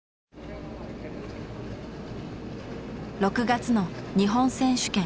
６月の日本選手権。